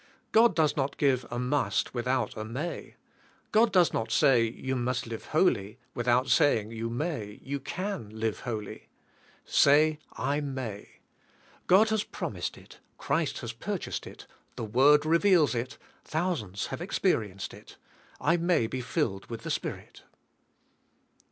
God does not give a ''must" without a may." God does not say, you must live holy, without saying you may, you can live holy. Say, "I may." God has promised it, Christ has purchased it, the Word re veals it, thousands have experienced it. I may be filled with the Spirit.